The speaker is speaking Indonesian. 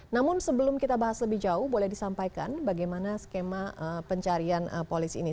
namun sebelum kita bahas lebih jauh boleh disampaikan bagaimana skema pencarian polis ini